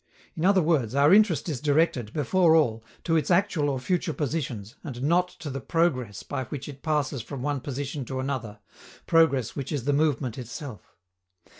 In other words, our interest is directed, before all, to its actual or future positions, and not to the progress by which it passes from one position to another, progress which is the movement itself.